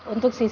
untuk si bapak